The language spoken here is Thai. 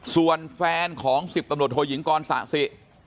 ส่วนแฟนของ๑๐ตำรวจโทยิงกรสะสิ